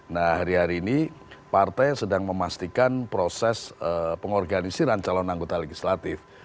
nah hari hari ini partai sedang memastikan proses pengorganisiran calon anggota legislatif